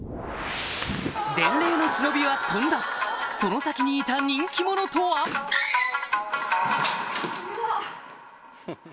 伝令の忍びは飛んだその先にいた人気者とはうわ！